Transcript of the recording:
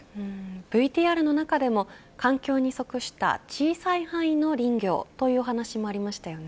ＶＴＲの中でも環境に即した小さい範囲の林業という話もありましたよね。